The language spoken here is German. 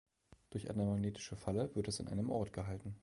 Durch eine magnetische Falle wird es an einem Ort gehalten.